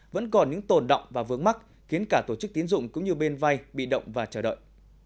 vẫn còn những tồn động và vướng mắc khiến cả tổ chức tiến dụng cũng như bên vay bị động và chờ đợi